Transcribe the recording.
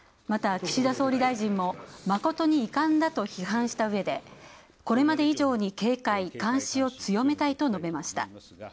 また岸田総理大臣もまことに遺憾だと批判した上で、これまで以上に警戒監視を強めたいと述べました。